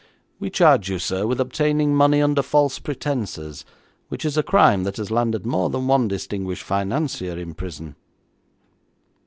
'We charge you, sir, with obtaining money under false pretences, which is a crime that has landed more than one distinguished financier in prison.'